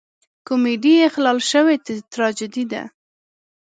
کمیډي اخلال شوې تراژیدي ده.